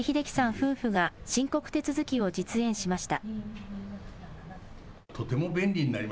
夫婦が申告手続きを実演しました。